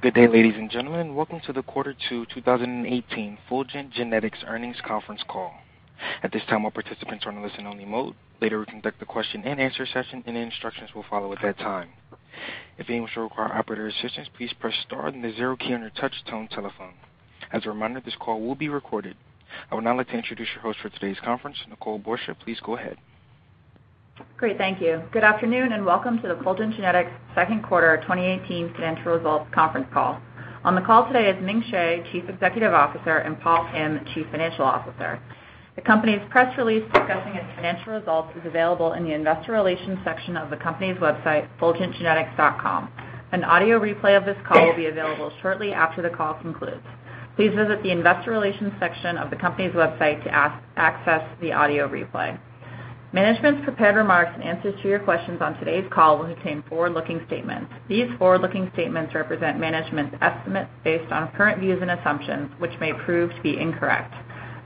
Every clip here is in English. Good day, ladies and gentlemen. Welcome to the Quarter Two 2018 Fulgent Genetics Earnings Conference Call. At this time, all participants are in listen only mode. Later, we'll conduct a question and answer session, and instructions will follow at that time. If anyone should require operator assistance, please press star, then the zero key on your touchtone telephone. As a reminder, this call will be recorded. I would now like to introduce your host for today's conference, Nicole Borsje. Please go ahead. Great, thank you. Welcome to the Fulgent Genetics Second Quarter 2018 Financial Results Conference Call. On the call today is Ming Hsieh, Chief Executive Officer, and Paul Kim, Chief Financial Officer. The company's press release discussing its financial results is available in the investor relations section of the company's website, fulgentgenetics.com. An audio replay of this call will be available shortly after the call concludes. Please visit the investor relations section of the company's website to access the audio replay. Management's prepared remarks and answers to your questions on today's call will contain forward-looking statements. These forward-looking statements represent management's estimates based on current views and assumptions, which may prove to be incorrect.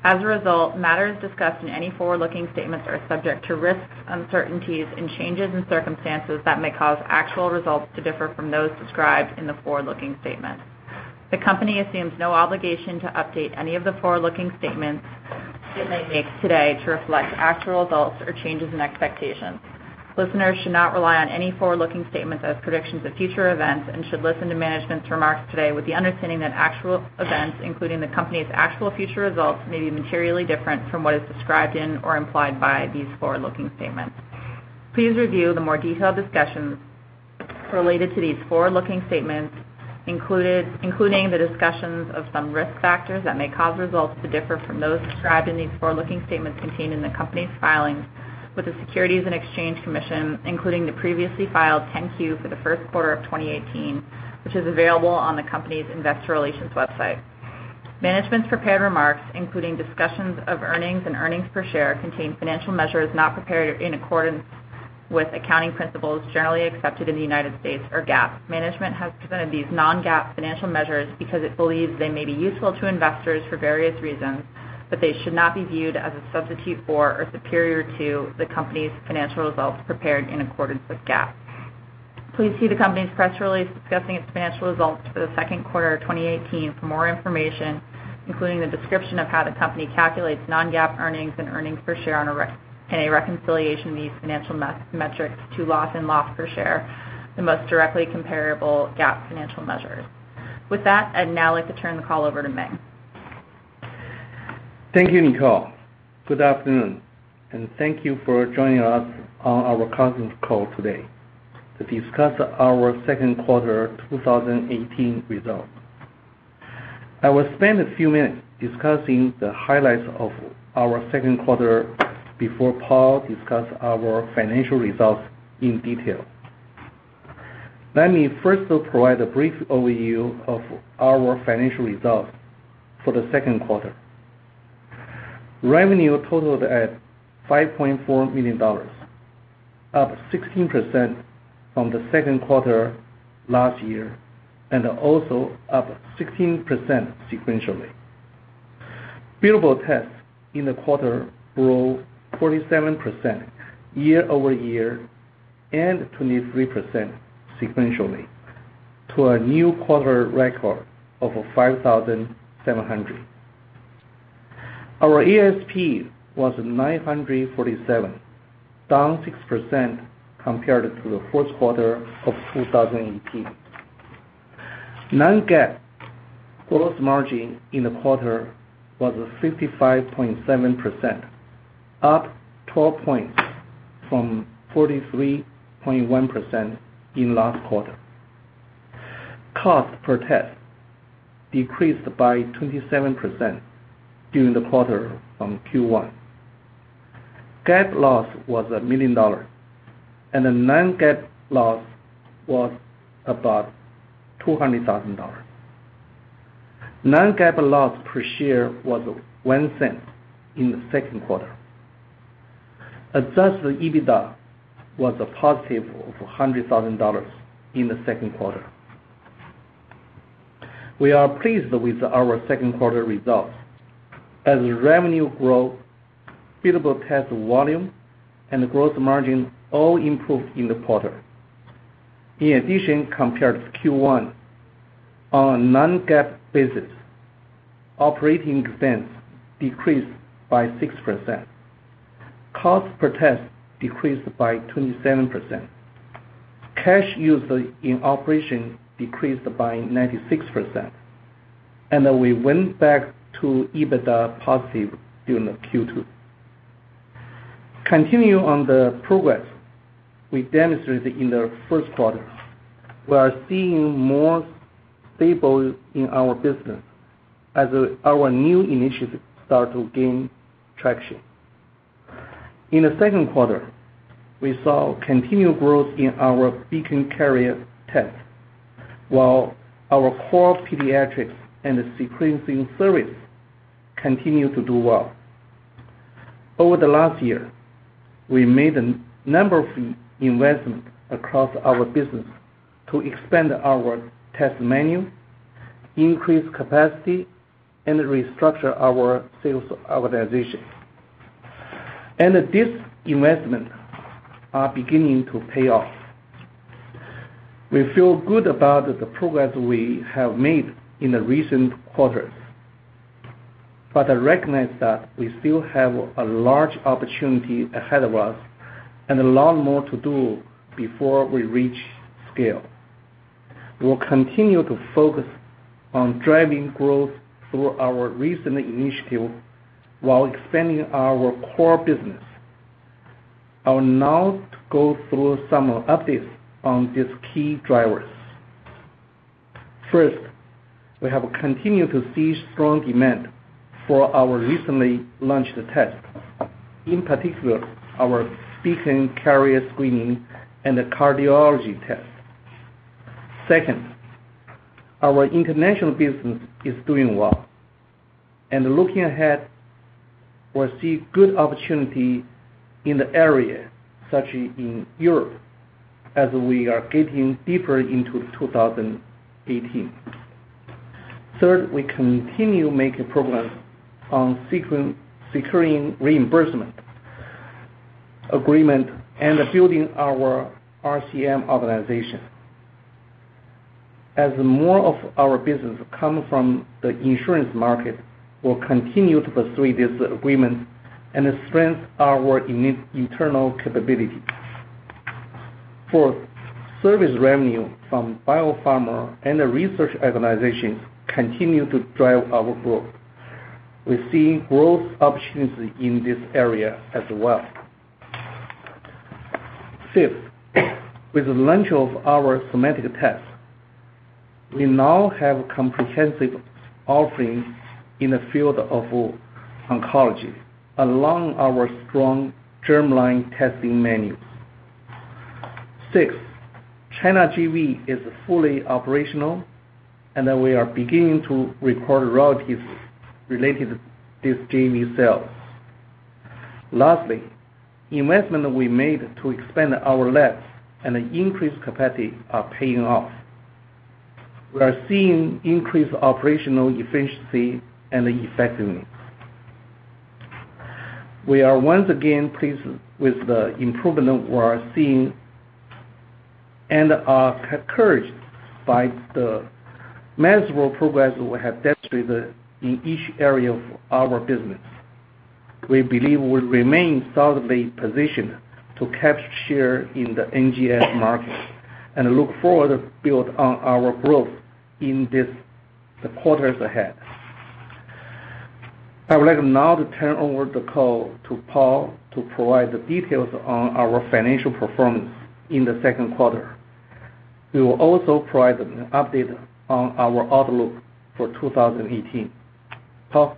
As a result, matters discussed in any forward-looking statements are subject to risks, uncertainties, and changes in circumstances that may cause actual results to differ from those described in the forward-looking statement. The company assumes no obligation to update any of the forward-looking statements it may make today to reflect actual results or changes in expectations. Listeners should not rely on any forward-looking statements as predictions of future events and should listen to management's remarks today with the understanding that actual events, including the company's actual future results, may be materially different from what is described in or implied by these forward-looking statements. Please review the more detailed discussions related to these forward-looking statements, including the discussions of some risk factors that may cause results to differ from those described in these forward-looking statements contained in the company's filings with the Securities and Exchange Commission, including the previously filed 10-Q for the first quarter of 2018, which is available on the company's investor relations website. Management's prepared remarks, including discussions of earnings and earnings per share, contain financial measures not prepared in accordance with accounting principles generally accepted in the U.S., or GAAP. Management has presented these non-GAAP financial measures because it believes they may be useful to investors for various reasons, but they should not be viewed as a substitute for or superior to the company's financial results prepared in accordance with GAAP. Please see the company's press release discussing its financial results for the second quarter of 2018 for more information, including the description of how the company calculates non-GAAP earnings and earnings per share and a reconciliation of these financial metrics to loss and loss per share, the most directly comparable GAAP financial measures. With that, I'd now like to turn the call over to Ming. Thank you, Nicole. Good afternoon, and thank you for joining us on our conference call today to discuss our second quarter 2018 results. I will spend a few minutes discussing the highlights of our second quarter before Paul discuss our financial results in detail. Let me first provide a brief overview of our financial results for the second quarter. Revenue totaled at $5.4 million, up 16% from the second quarter last year and also up 16% sequentially. Billable tests in the quarter grew 47% year-over-year and 23% sequentially to a new quarter record of 5,700. Our ASP was $947, down 6% compared to the first quarter of 2018. Non-GAAP gross margin in the quarter was 55.7%, up 12 points from 43.1% in last quarter. Cost per test decreased by 27% during the quarter from Q1. GAAP loss was $1 million, and the non-GAAP loss was about $200,000. Non-GAAP loss per share was $0.01 in the second quarter. Adjusted EBITDA was a positive of $100,000 in the second quarter. We are pleased with our second quarter results as revenue growth, billable test volume, and gross margin all improved in the quarter. In addition, compared with Q1, on a non-GAAP basis, operating expense decreased by 6%. Cost per test decreased by 27%. Cash used in operation decreased by 96%, and we went back to EBITDA positive during the Q2. Continue on the progress we demonstrated in the first quarter. We are seeing more stable in our business as our new initiatives start to gain traction. In the second quarter, we saw continued growth in our Beacon carrier test, while our core pediatrics and the sequencing service continue to do well. Over the last year, we made a number of investments across our business to expand our test menu, increase capacity, and restructure our sales organization. This investment are beginning to pay off. We feel good about the progress we have made in the recent quarters, but I recognize that we still have a large opportunity ahead of us and a lot more to do before we reach scale. We'll continue to focus on driving growth through our recent initiative while expanding our core business. I'll now go through some updates on these key drivers. First, we have continued to see strong demand for our recently launched tests, in particular, our Beacon carrier screening and the cardiology test. Second, our international business is doing well, and looking ahead, we see good opportunity in the area, such as in Europe, as we are getting deeper into 2018. Third, we continue making progress on securing reimbursement agreement and building our RCM organization. As more of our business comes from the insurance market, we'll continue to pursue this agreement and strengthen our internal capability. Fourth, service revenue from biopharma and the research organizations continue to drive our growth. We see growth opportunities in this area as well. Fifth, with the launch of our somatic test, we now have comprehensive offerings in the field of oncology along our strong germline testing menus. Sixth, China JV is fully operational, and we are beginning to record royalties related to these JV sales. Lastly, investment we made to expand our labs and increase capacity are paying off. We are seeing increased operational efficiency and effectiveness. We are once again pleased with the improvement we are seeing and are encouraged by the measurable progress we have demonstrated in each area of our business. We believe we remain solidly positioned to capture share in the NGS market and look forward to build on our growth in the quarters ahead. I would like now to turn over the call to Paul to provide the details on our financial performance in the second quarter. He will also provide an update on our outlook for 2018. Paul?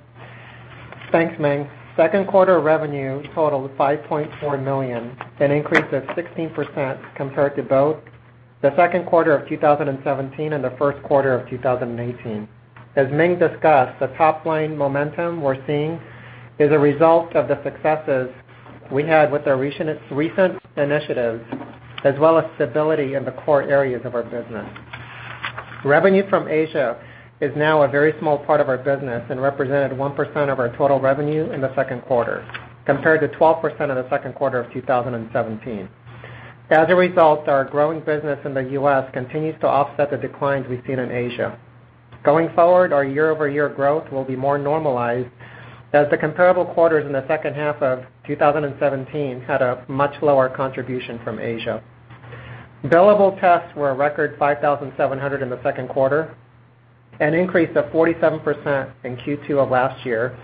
Thanks, Ming. Second quarter revenue totaled $5.4 million, an increase of 16% compared to both the second quarter of 2017 and the first quarter of 2018. As Ming discussed, the top-line momentum we're seeing is a result of the successes we had with our recent initiatives, as well as stability in the core areas of our business. Revenue from Asia is now a very small part of our business and represented 1% of our total revenue in the second quarter, compared to 12% of the second quarter of 2017. As a result, our growing business in the U.S. continues to offset the declines we've seen in Asia. Going forward, our year-over-year growth will be more normalized as the comparable quarters in the second half of 2017 had a much lower contribution from Asia. Billable tests were a record 5,700 in the second quarter, an increase of 47% in Q2 of last year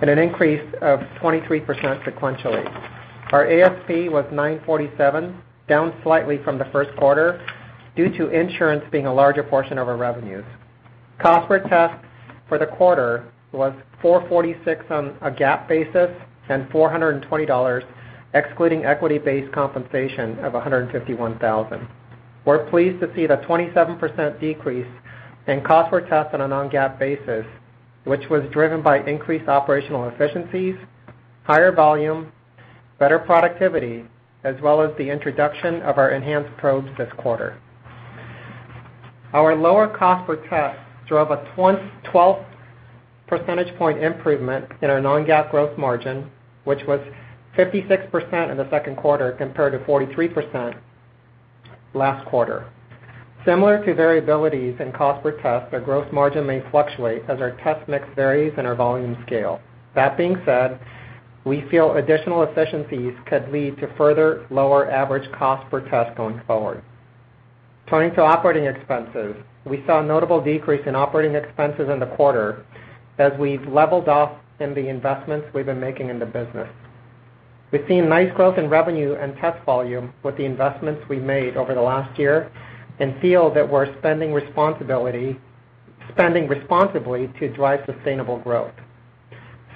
and an increase of 23% sequentially. Our ASP was $947, down slightly from the first quarter due to insurance being a larger portion of our revenues. Cost per test for the quarter was $446 on a GAAP basis and $420 excluding equity-based compensation of $151,000. We're pleased to see the 27% decrease in cost per test on a non-GAAP basis, which was driven by increased operational efficiencies, higher volume, better productivity, as well as the introduction of our enhanced probes this quarter. Our lower cost per test drove a 12 percentage point improvement in our non-GAAP gross margin, which was 56% in the second quarter compared to 43% last quarter. Similar to variabilities in cost per test, the gross margin may fluctuate as our test mix varies and our volume scale. That being said, we feel additional efficiencies could lead to further lower average cost per test going forward. Turning to operating expenses, we saw a notable decrease in operating expenses in the quarter as we've leveled off in the investments we've been making in the business. We've seen nice growth in revenue and test volume with the investments we've made over the last year and feel that we're spending responsibly to drive sustainable growth.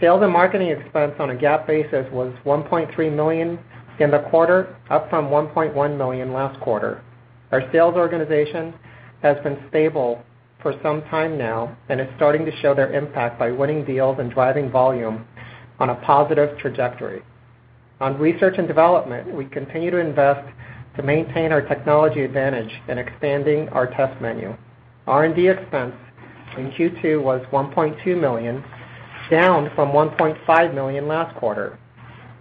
Sales and marketing expense on a GAAP basis was $1.3 million in the quarter, up from $1.1 million last quarter. Our sales organization has been stable for some time now and is starting to show their impact by winning deals and driving volume on a positive trajectory. On research and development, we continue to invest to maintain our technology advantage in expanding our test menu. R&D expense in Q2 was $1.2 million, down from $1.5 million last quarter.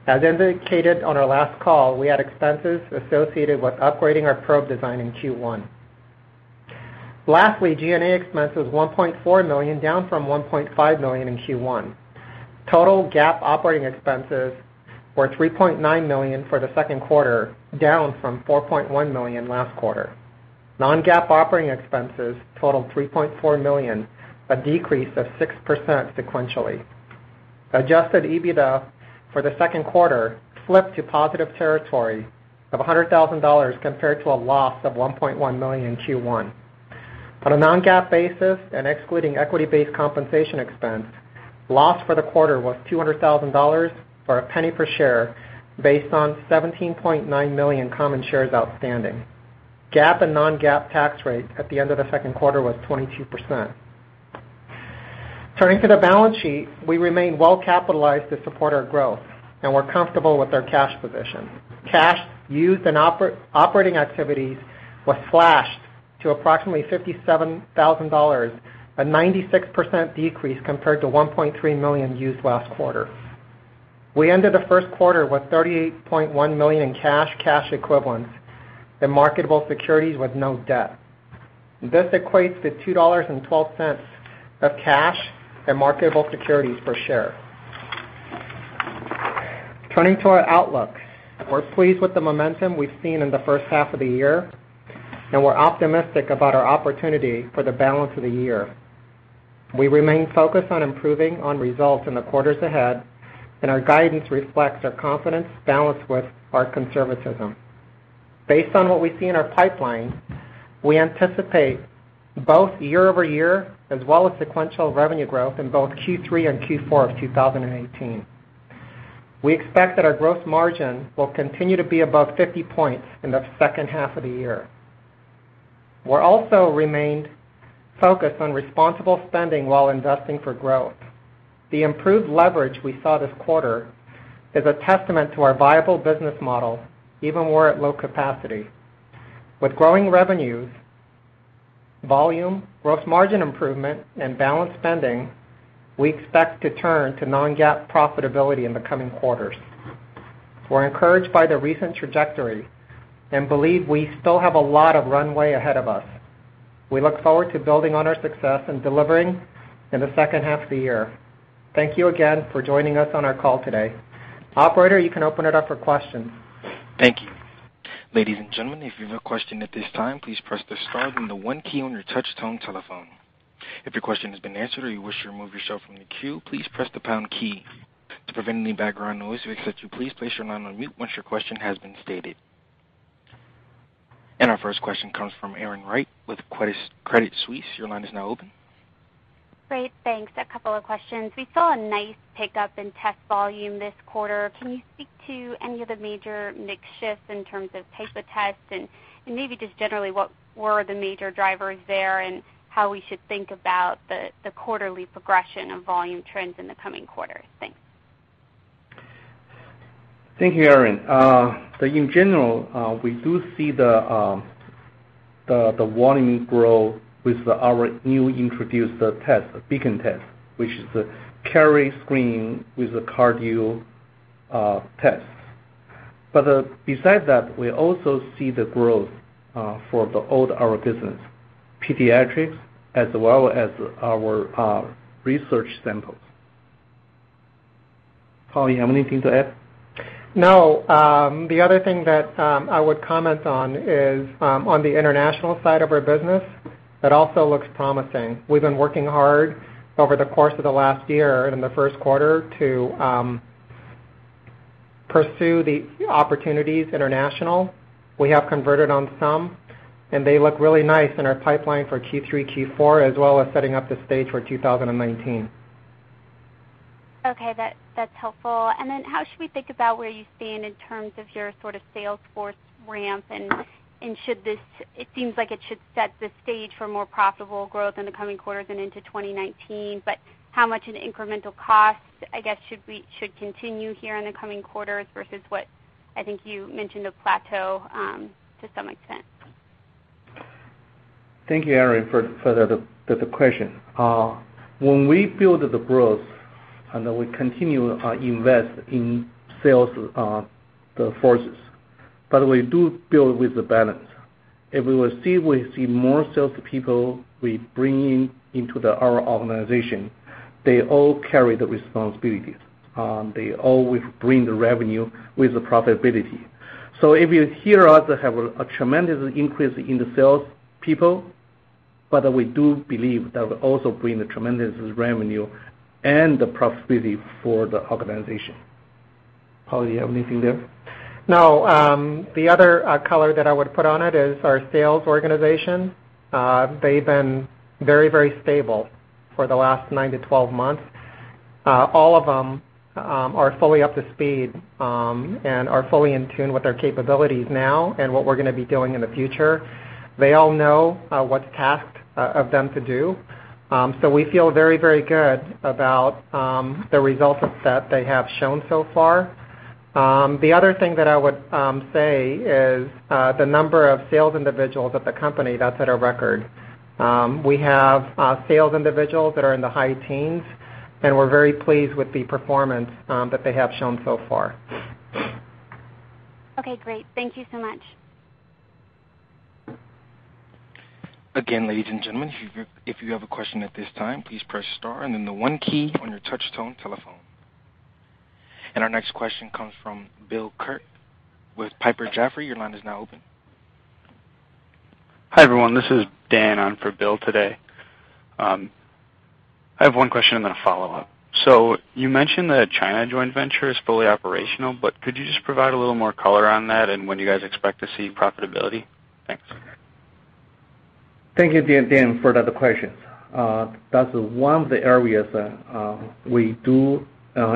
As indicated on our last call, we had expenses associated with upgrading our probe design in Q1. Lastly, G&A expense was $1.4 million, down from $1.5 million in Q1. Total GAAP operating expenses were $3.9 million for the second quarter, down from $4.1 million last quarter. Non-GAAP operating expenses totaled $3.4 million, a decrease of 6% sequentially. Adjusted EBITDA for the second quarter flipped to positive territory of $100,000 compared to a loss of $1.1 million in Q1. On a non-GAAP basis and excluding equity-based compensation expense, loss for the quarter was $200,000 or $0.01 per share based on 17.9 million common shares outstanding. GAAP and non-GAAP tax rate at the end of the second quarter was 22%. Turning to the balance sheet, we remain well capitalized to support our growth. We're comfortable with our cash position. Cash used in operating activities was slashed to approximately $57,000, a 96% decrease compared to $1.3 million used last quarter. We ended the first quarter with $38.1 million in cash equivalents, and marketable securities with no debt. This equates to $2.12 of cash and marketable securities per share. Turning to our outlook. We're pleased with the momentum we've seen in the first half of the year. We're optimistic about our opportunity for the balance of the year. We remain focused on improving on results in the quarters ahead. Our guidance reflects our confidence balanced with our conservatism. Based on what we see in our pipeline, we anticipate both year-over-year as well as sequential revenue growth in both Q3 and Q4 of 2018. We expect that our growth margin will continue to be above 50 points in the second half of the year. We're also remained focused on responsible spending while investing for growth. The improved leverage we saw this quarter is a testament to our viable business model, even we're at low capacity. With growing revenues, volume, gross margin improvement, balanced spending, we expect to turn to non-GAAP profitability in the coming quarters. We're encouraged by the recent trajectory. We believe we still have a lot of runway ahead of us. We look forward to building on our success and delivering in the second half of the year. Thank you again for joining us on our call today. Operator, you can open it up for questions. Thank you. Ladies and gentlemen, if you have a question at this time, please press the star then the one key on your touch tone telephone. If your question has been answered or you wish to remove yourself from the queue, please press the pound key. To prevent any background noise, we ask that you please place your line on mute once your question has been stated. Our first question comes from Erin Wright with Credit Suisse. Your line is now open. Great. Thanks. A couple of questions. We saw a nice pickup in test volume this quarter. Can you speak to any of the major mix shifts in terms of type of tests and maybe just generally what were the major drivers there, and how we should think about the quarterly progression of volume trends in the coming quarters? Thanks. Thank you, Erin. In general, we do see the volume grow with our new introduced test, the Beacon test, which is a carrier screening with a cardio test. Besides that, we also see the growth for the old business, pediatrics as well as our research samples. Paul, you have anything to add? No. The other thing that I would comment on is on the international side of our business, that also looks promising. We've been working hard over the course of the last year and in the first quarter to pursue the opportunities international. We have converted on some, They look really nice in our pipeline for Q3, Q4, as well as setting up the stage for 2019. Okay. That's helpful. How should we think about where you stand in terms of your sort of sales force ramp and it seems like it should set the stage for more profitable growth in the coming quarters and into 2019, how much in incremental cost, I guess, should continue here in the coming quarters versus what I think you mentioned a plateau, to some extent? Thank you, Erin, for the question. When we build the growth and we continue invest in sales, the forces, we do build with the balance. If we will see more salespeople we bring into our organization, they all carry the responsibilities. They always bring the revenue with the profitability. If you hear us have a tremendous increase in the sales people, we do believe that will also bring a tremendous revenue and profitability for the organization. Paul, you have anything there? No. The other color that I would put on it is our sales organization. They've been very stable for the last 9 to 12 months. All of them are fully up to speed, and are fully in tune with our capabilities now and what we're going to be doing in the future. They all know what's tasked of them to do. We feel very good about the results that they have shown so far. The other thing that I would say is the number of sales individuals at the company that's at a record. We have sales individuals that are in the high teens, and we're very pleased with the performance that they have shown so far. Okay, great. Thank you so much. Again, ladies and gentlemen, if you have a question at this time, please press star and then the one key on your touch-tone telephone. Our next question comes from Bill Quirk with Piper Jaffray. Your line is now open. Hi, everyone. This is Dan on for Bill today. I have one question and then a follow-up. You mentioned that China Joint Venture is fully operational, could you just provide a little more color on that and when you guys expect to see profitability? Thanks. Thank you, Dan, for that question. That's one of the areas we do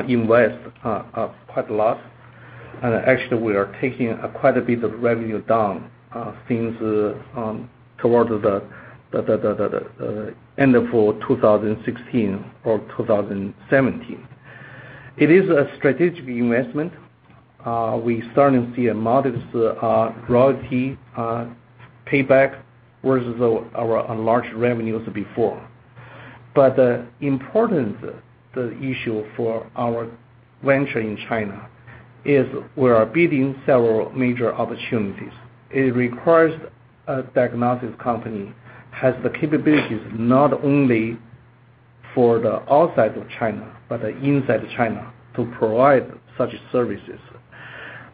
invest quite a lot. Actually, we are taking quite a bit of revenue down since towards the end of 2016 or 2017. It is a strategic investment. We're starting to see a modest royalty payback versus our large revenues before. The important issue for our venture in China is we are bidding several major opportunities. It requires a diagnostics company has the capabilities not only for the outside of China, but inside China to provide such services.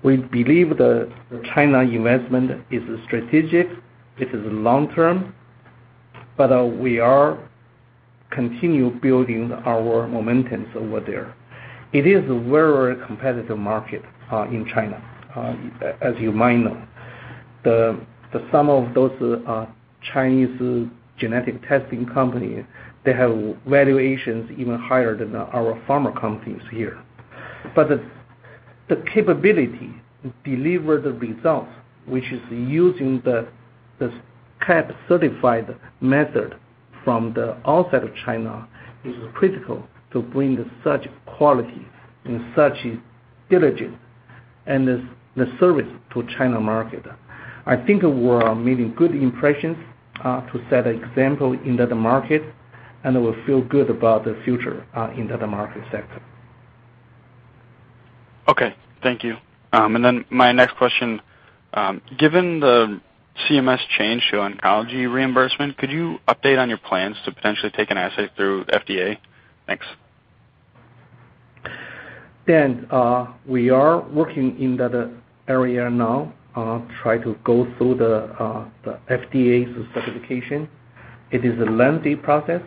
We believe the China investment is strategic, it is long-term, we are continue building our momentums over there. It is a very competitive market in China, as you might know. The sum of those Chinese genetic testing companies, they have valuations even higher than our pharma companies here. The capability to deliver the results, which is using the CAP-certified method from the outside of China, is critical to bring such quality and such diligence and the service to China market. I think we're making good impressions to set an example in that market, and we feel good about the future in that market sector. Okay. Thank you. My next question, given the CMS change to oncology reimbursement, could you update on your plans to potentially take an assay through FDA? Thanks. Dan, we are working in that area now, try to go through the FDA's certification. It is a lengthy process.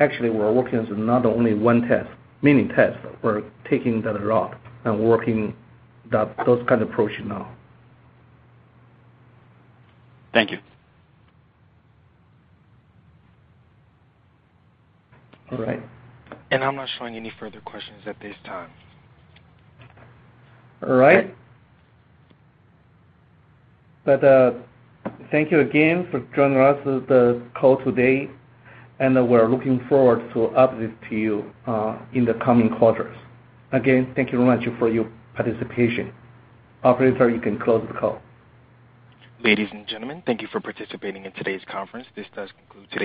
Actually, we're working as not only one test, many tests. We're taking the lot and working that kind of approach now. Thank you. All right. I'm not showing any further questions at this time. All right. Thank you again for joining us on the call today, and we're looking forward to update to you in the coming quarters. Again, thank you very much for your participation. Operator, you can close the call. Ladies and gentlemen, thank you for participating in today's conference.